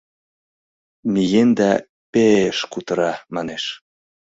Миен да пе-э-ш кутыра, манеш.